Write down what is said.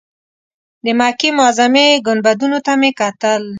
د مکې معظمې ګنبدونو ته مې کتل.